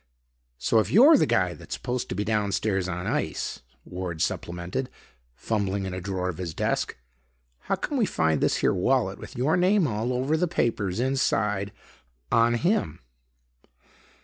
"So, if you're the guy that's supposed to be downstairs on ice," Ward supplemented, fumbling in a drawer of his desk, "how come we find this here wallet with your name all over the papers inside on him?"